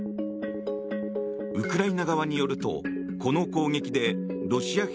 ウクライナ側によるとこの攻撃でロシア兵